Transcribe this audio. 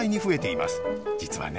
実はね